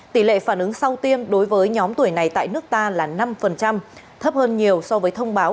tỷ lệ phản ứng sau tiêm đối với nhóm tuổi này tại nước ta là năm thấp hơn nhiều so với thông báo